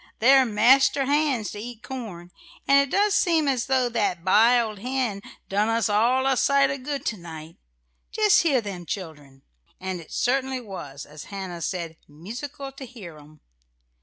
They're master hands to eat corn, and it does seem as though that biled hen done us all a sight o' good to night. Just hear them children." And it certainly was, as Hannah said, "musical to hear 'em."